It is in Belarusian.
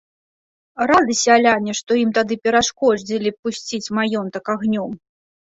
Рады сяляне, што ім тады перашкодзілі пусціць маёнтак агнём.